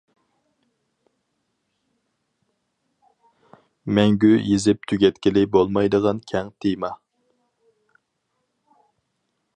مەڭگۈ يېزىپ تۈگەتكىلى بولمايدىغان كەڭ تېما.